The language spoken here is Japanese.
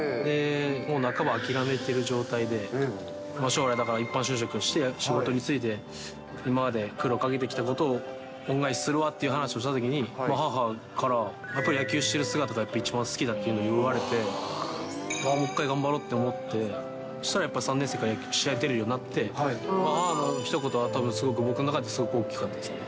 もう半ば諦めてる状態で、将来だから、一般就職して、仕事に就いて、今まで苦労かけてきたことを恩返しするわって話をしたときに、母から、やっぱり野球してる姿が一番好きだよっていうふうに言われて、もう一回頑張ろうと思って、したらやっぱり３年生から試合出るようになって、母のひと言はたぶん、すごく僕の中ですごく、大きかったですね。